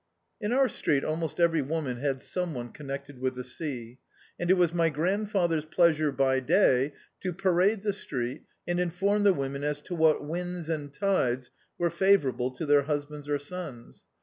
In our street almost every woman had some one connected with the sea, and it was my grandfather's pleasure by day to parade the street and inform the women as to what winds and tides were favourable to their husbands or sons.